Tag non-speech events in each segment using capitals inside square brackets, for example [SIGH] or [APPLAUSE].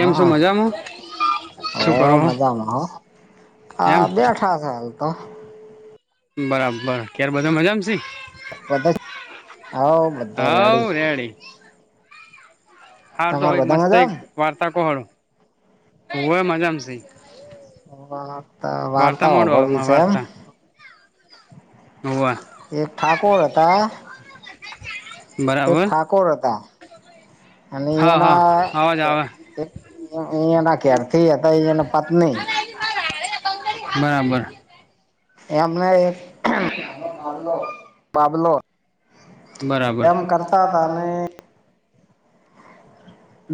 હા હા ઓ મજામાં હો. હ બેઠાસ હાલ તો. બરાબર ક્યાર બધા મજામશે? [UNINTELLIGIBLE] આવ બધા રડી હાર તો મસ્ત એક વાર્તા કોહળ હય મજામાં છે. વાતા વાર્તા હોભડવીશે એમ! એક ઠાકોર હતા. એક ઠાકોર હતા. એના. ક્યારથી હતા એ અને પત્ની બરાબર. એમને એક હ ભલો [UNINTELLIGIBLE] એમ કરતા હતા અને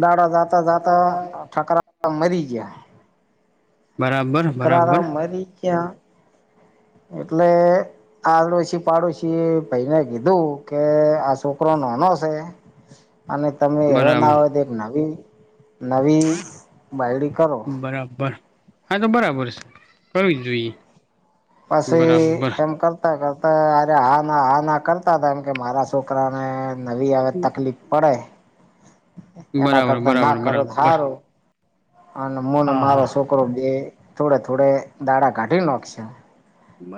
દાડા જાતા જતા ઠકરા મરી ગયા. બરાબર બરાબર. એટલે આડોશી પાડોશી ભાઈને કીધું કે આ છોકરો નાનો છે. અને તમે હવા ના હો તો એક નવી નવી બાયડી કરો. હા તો બરાબર છે કરવી જ જોઈએ. પછી એમ કરતાં કરતાં અરે આ ના આ ના કરતા હતા એમ કે મારા છોકરા ને નવી હવે તકલીફ પડે. એના કરતા ના કરો હારું. અને મને મારો છોકરો બે થોડે થોડે દાડા કાઢી નાખશે.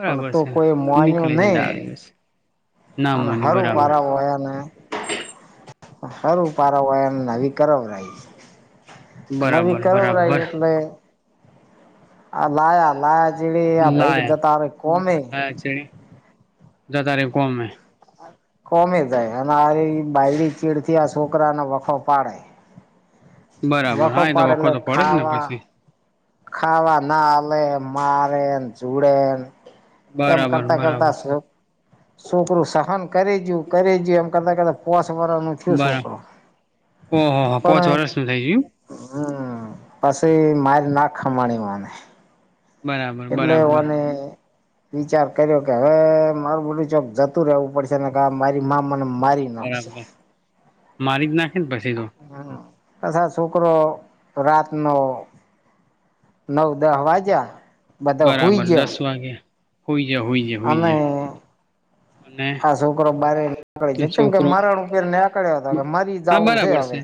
પણ તું કોઈ માન્યુ નહી. અને હારું પારાબોને હર પારવયન નવી કરવરાહી. નવી કરવરાઈ એટલે આ લાયા લાયા જેડી આ ભાઈક જતા કોમે જ તારીખ કોમમે કોમી જાય અને આ બાયડી ચીડ થી આ છોકરાનો વખો પાડાય વખો પડે એટલે ખાવા ખાવા ના લે મારે, જુડે એમ કરતા કરતા શ છોકરું સહન કરે જું કરે જું એમ કરતા કરતા પો રા ન થયયો છોકરો પણ હમ પછી મારી ના ખમાણી માને એટલે અને વિચાર કર્યો કે હવે મારું બલું ચોક જતું રહેવું પડશે ને કે મારી મામાં મને બરાબર મારી જ નાખે પછી તો. અછા છુક્રો રાતનો નવ, દહ વાગ્જા બરાબર દસ વાગે હોય જ, હોયજ, હોય હા, છોકરો બારે નીકળે જ કેમ કે મારણ ઉપેર, ને આકળ્યા હતા, કે મરી જું છે, હવે હ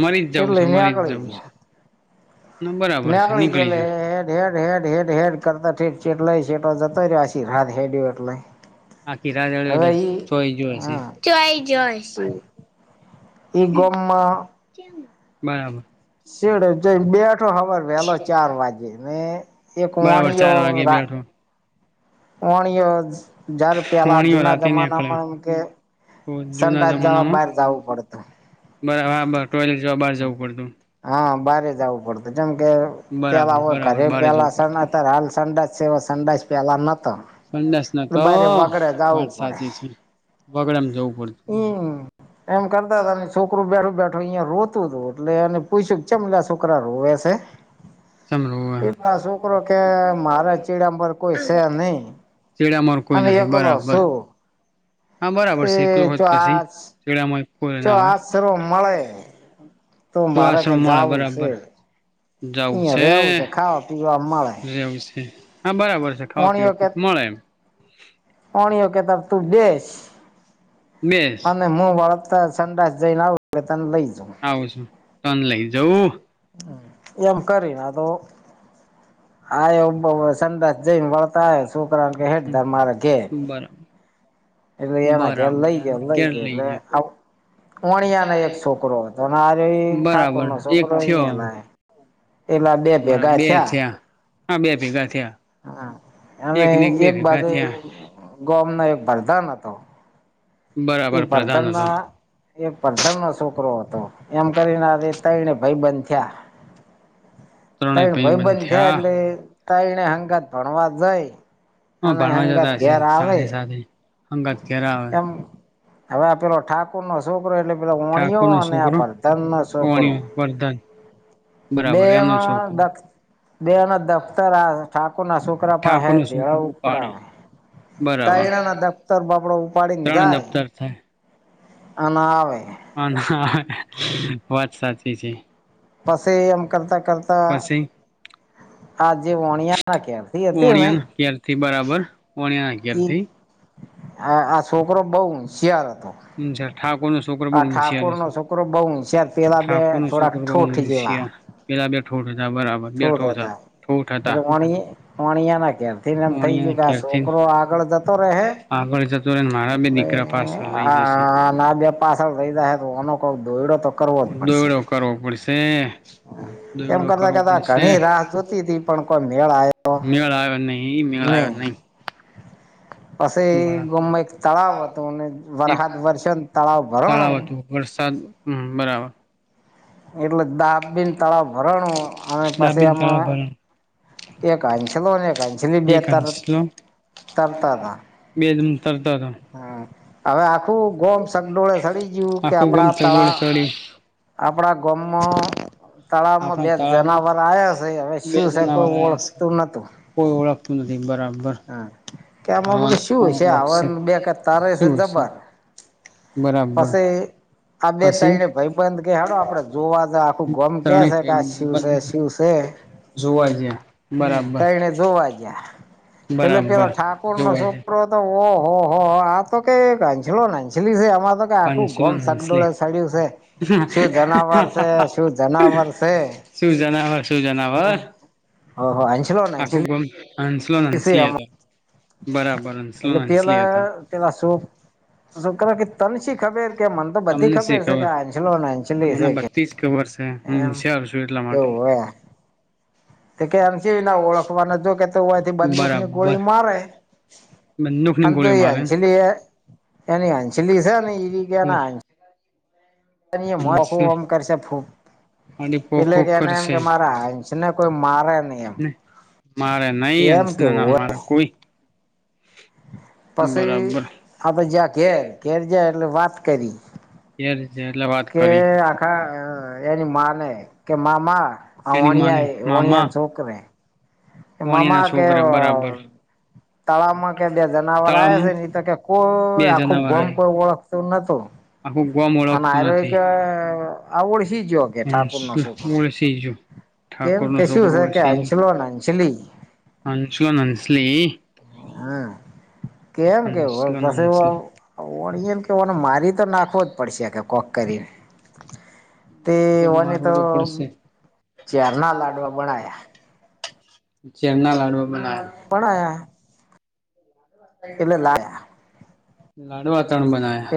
મરી જ જવું છે, મરી જ જવું છે. નેકળ, ચ હે હેડ હે, હે હેડ કરતાઠેટેટ જતોછી રાત, હેડયો એટલે આખી રાડ એઈ, જોશે એઈગમમાં બરાબર છેેડ બેઠો ખબર વહેલો ચાર વાગે, મે એક વણયો વણીયો જાર, પેલા જુના જમાનામાં એમ કે જુના જમાનામાં બરાબ હા, બ ટોયલેટ જોવા બહાર જવું પડતું જું પડત જેમ કે પેલા હોય, ઘરે પેલા અ્યારે હાલ, ચાલ વા સંડાસ પેલા નતો, એલે બરે વગડે જવું પડે હમ, એમ કરતા હતા, છોકરોું બેઠું, બેઠું અહીિયાયા રોતું હતું, એટલે પૂછ્યું ચમલા છોકરા રોવે છે. એટલા છોકરો, કે મારા ચેડાં પરર કોઈ સ નહી. હવે [UNINTELLIGIBLE] શુ. હા બરાબર છે, વખત કછીડામાં ના તોું મારે કે જવું છે. અહં ર રહેવું છે, ખાવા પીવા માવા. હા, બરાબર છે, ખાવા પીવાક મળે એમ અણીઓ કે, ત તું બેસ અને હું વળ સંડાસ જઈને, આવ એટ તને લઈ જાઉ. ટન લઈ, જાઉ એમ કરીને, તો આ બે વસંતઆ બળતા હ શુકરાણ કે, મારા ગાહે. એટલે એના ઘે લઈ, ગે લઈ ગય, એટલે આઉં. ઓણિયા ન એક છોકરો હતો, અને હર ઠાકોુર નો છોકરો, અહં ના એલા, બે ભેગા થયા હા, અને એક બાજુ ગોમ, ન એક વરદાન હતો. એ પરધમના એક, પરધમનોો છોકરો હતો. એમ કરીને રે, તને ભાઈ બંધ થયા. તણ ભાઈ બંધ થયા, એટલે તાઈને હંગત ભણવા જઈ. હા, ભણવા જતા હશે, સાથે, સાથે અંગત ઘેરા આવે હવે, પેલો ઠાકુરનો શું છ, એટલે પે વણ્યો અને આપ પર તન છોકરો બે, એમાં દક્ષ બેના દફ્તર ઠાકુર ના છોકરા, પાસે ભેળ ઉપડ આવે બરાબર, ત્રણ દફતર થાય. આમાવે. વાત સાચી છે. પાસે એમ કરતાં, કરતા આજે [UNINTELLIGIBLE] ઘરથી. હ, આ છોકરો બઉ શિયાળ હ. આ ઠાકોર નો છોકરો, બઉ શયાર પેલા બે થોડાક ઠોઠ જે પલા બે છોટ હતા, એ તો વાણી વાણિયાના ઘેર તેને એમ થઈ ગ્યું કે સોકરો આગળ જતો રહે એટલે આ ના પાછળ રહી [UNINTELLIGIBLE] દોઈડો તો દોયડો કરવો પડશે દોઈડો કરવો પડશે, મેળ આવ્યો નહી મેળ આયો ન હી. તળાવ હતું વરસાદ હમ્મ, બરાબર. એટલે દાબબીન તળાવ ભરણું અને પછી આમાં એક અંચલો અને એક અંચલી બે તાર તરતા હતા. કરતા હતા હવે આખું ગોમ સગડોળે સડી ગ્યું કે આપડા તળા આપણા ગમમાં તળાવમાં બે જનાવર આયા સે, હવે શું છે કોઈ ઓળખતું નતું. કોઈ ઓળખતું નથી બરાબર. હા કે આમ આપડું શું છે આવાનું બે ક તારે છે જબર બરાબર. આ બે તારીને ભયબંધ કે હાડો આપડે જોવા જા આખું ગમ કે સે કે આ સિવ સે સિવ સે હમ્મ, તઈળે જોવા ગ્યા. એટલે પેલા ઠાકોર નો છોકરો હતો ઓ હો હો આ તો કે ગા અંસલો ન અંસલી સે આમા આખું ગમ સગડોળે સડ્યું સે. શું જનાવર, શું જનાવર. હમ હ હ અંશલો ને અંશલી અંસલો ન અંસલી હતો. એટલે પેલા પેલા સો સોકરા કે તમસી ખબેર કે મને તો બધી ખબેર છે કે આ અંચલો ને અંચલી છે કે, એમ. એવું હે. હ તે કે એમ સી વીના ઓળખવાના જો કે તે હોયથી બંદૂક ની ગોળી મારે, અને તો એ અંજલી એ એની અંચલી સે ને એ [UNINTELLIGIBLE] બની મો [UNINTELLIGIBLE] હું અમ કરશે ફૂ એટલે કે એને એમ કે મારા હૈંસ ને કોઈ મારે ની એમ. મારે નહી, અંશ ને ના મારે કોઈ. પસી આપડે જયા ઘેર, ઘેર જાય એટલે વાત કરી. કે આખા એની માં ને, કે મામા આ વણિયા એ વણિયાન છોકરે, મામા કે તળાવમાં કે બે જનાવર આયા છે ને, ઈ તો કે કોઈ આખું ગમ કોઈ ઓળખતું ન આખું ગમ ઓળખતું નથી, હ [UNINTELLIGIBLE] સીજું ઠાકોર નો છોકરો પછી, હંસલો ન હંસલી. હમ્મ. કેમ કેવ પસી અમ વણીયો કેવો મારી તો નાખવો જ પડશે કે કોક કરીન. તે ઓને તો ચેાર ના લાડવા બણાયા. જેઝેરના લાડવા કોણ આયા લાડું વાતાવરણ બનાયા.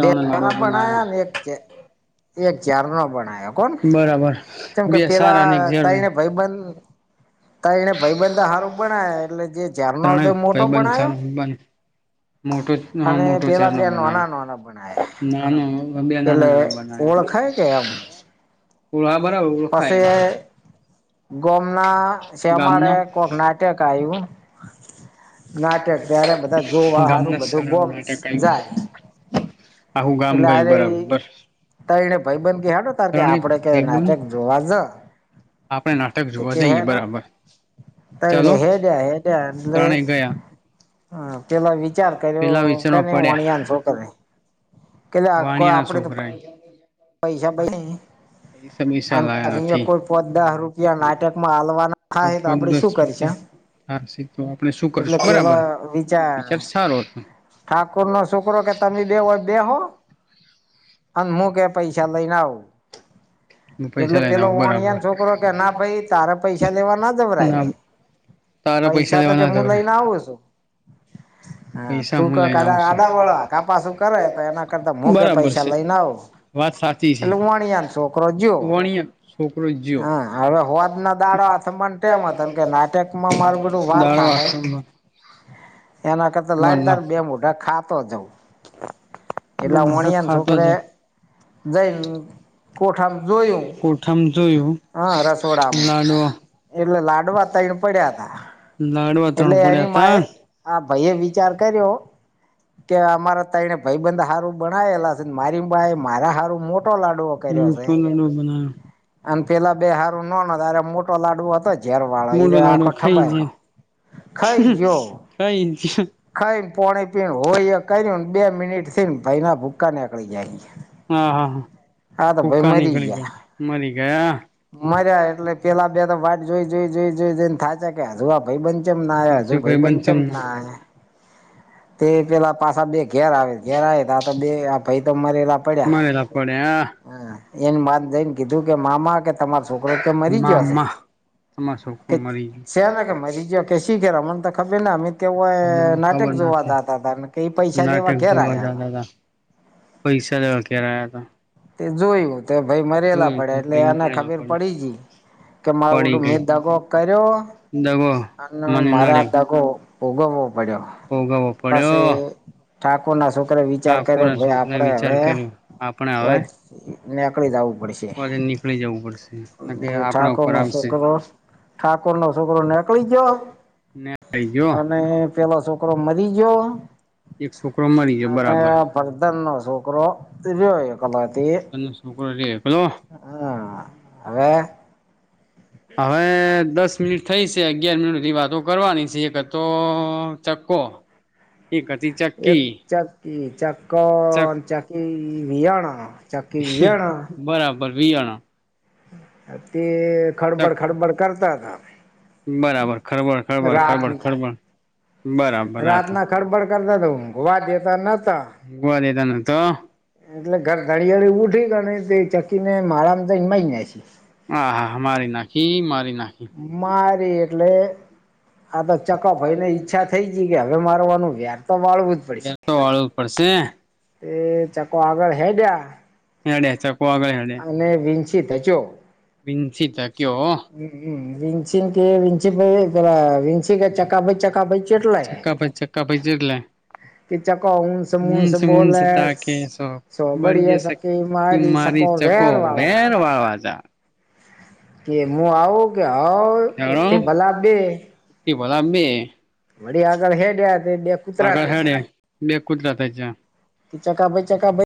બે ચાર પણ આયાને એક એક ચાર નો પણ આયો કોણ જેમ કે પેલા તઇન ભાઈબંધ ત્રણે ભાઈ બંધ ચાલ બંધ મોટો હા મોટો છેેર ન બનાવે ના બે નાના નાના બના્યા પળા બરાબર ઓળ ખાય ગમના શમાળે કોક નાટક આવ્યું નાટક ત્યારે બધા જોવા સારું બધું ગમ જાય એટલે અરે તઈને ડ તાર કે આપડે કે વાઝ આપણે નાટક જોવા જઈએ બરાબર તંગ હેદિયા હેદીયા અંદે હ પેલા વિચાર કર્યો કરને વણિયાન શો કરે કે કોઈ આપડે તો પૈસા ભાઈ નહી અહી કોઈ પદ દહ રૂપિયા નાટકમાં હલવાના થાય તો આપડે શું કરી છે હારી તો આપણે શું કરશું બરાબર વિચાર સારો હતો ઠાકોુર નો છોકરો કે તમે દેવ હોય બેહો [INAUDIBLE] અને મુું કે પૈસા લઈને આવું એટલે પેલો વણિયાન છોકરો કે ના ભાઈ તારેા પૈસા લેવા ના જવરાય કે પૈસા તો કે હું લઈને આવું છું પૈસા હું લઈન આવશે બરાબર છે વાત સાચી છે વણય છોકરો જ્યો દાર વાસણમાં એના કરતા લાઈન તર બે મોઢા ખાતો જઉું એટલા વણિયાને છોકરે જઈને કોઠામાં જોયું હા રસોડામાં એટલે લાડુવા ત એને પડ્યા હતાા એટલે એની મા આ ભાઈ એ વિચાર કર્યો કે અમારા તાઈને ભાઈબંધ હારું બણવેેલા છે મારી બાઈ મારા સારું મોટ મોટો લાડુો કર્યો છે આમ પેલા બે હારું ન મોટો લાડવો હતો જ જાર વાળો ઈ ર આખો ઠબાયો ખાઈ જો ખાઈ પાણી પીણ હોય એ કર્યું ને બે મિનિટ થી ને ભાઈના ભૂક્કા નીકળી જાય હા હા હા ભૂકા નીકળી ગયા મરી ગયા મર્યા એટલે પેલા બે તો વાટ જોઈ જોઈ જોઈ જોઈઈને થાય છે કે હુ આ ભાઈ બન ચમ ના હજુ ભાઈ ચમ ના તે પેલા પાસા બે ઘેર આવે ઘેર આવે આ તો બે ભાઈ તો મરેલા પડ્યા. એને વાત જઈને કીધું કે મામા કે તમારો છોકરો કે મરી ગયો છે કે શે ના કે મરી જ કે શીખેર અમને તો ખબર ને અમે તેવ નાટક જોવા જતા હતા અને કઈ પૈસા લેવા ઘેર આવ્યા હતા. પૈસા લેવા ઘેર આયા હતા તે જોયું તો ભાઈ મરેલા પડ્યા એટલે એને ખબીર પડી જી કે મારડું મેં દગો કર્યો અને મારા દગો ભોગવવો પડ્યો પછી ઠાકુર ના સુ વિચાર કર્યો ભાઈ આપડે હવે કોઈ નેકળી જાવું જોઈએ પડ સે એ ઠાકોર ન છોકરો ઠાકોર નો છોકરો નીકળી ગયો. અને પેલો છોકરો મરી જ્યો અને ફદન નો છોકરો જોયોય. અમાતી હા હવે હવે દસ મિનિટ થઈ છે અગિયાર મિનિટ બધી વાતો કરવાની છે એક તો કો એક હતી ચકકી કે ચાક ચાકી બઆના ચાકી બિયાના વી આના તે ખડબડ ખડબડ કરતા હતા. બરાબર, ખરબર-ખરબર ખબર-ખરબર. રાતના ખડબડ કરતા તો હવા દેતા નતા એમ તો એટલે ઘર ધણીયાળી ઉઠી ગને તે ચકીને માળામાં તો માય જ છે. હા હા મારી નાખી મારી ના મારી એટલે આ તો ચકાપઈને ઈચ્છા થઈ ગઈ કે હવે મારો વા તો વાળવું જ પડશે એ ચકો આગળ હેડયા. હેડયા ચકો વાગળ હેડયા છી ત ચો. વિંચી તક હમ્મ વિન્ચિન કે વિચિન ભ વિન્સી કે ચકા ભ ચકા ભ ચકા પય ચકા પઈ જીટલે મુનસ મુનસ ત કે શો બએ શ મારી ચકો વેન વાળવા જા [UNINTELLIGIBLE] કી ભોલામે મડી આગળ હે ગ કુતરા થ ચકા ભ ચકા ભ